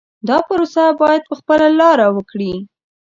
دا پروسه باید په خپله لاره وکړي.